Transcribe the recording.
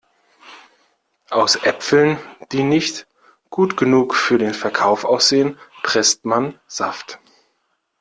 Aus Äpfeln, die nicht gut genug für den Verkauf aussehen, presst man Saft.